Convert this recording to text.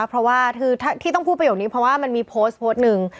เพราะว่าคือที่ต้องพูดประโยคนี้เพราะว่ามันมีโพสต์โพสต์หนึ่ง